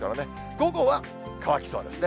午後は乾きそうですね。